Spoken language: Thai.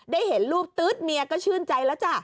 เห็นรูปตื๊ดเมียก็ชื่นใจแล้วจ้ะ